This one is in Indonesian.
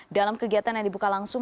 dalam kegiatan yang dibuka langsung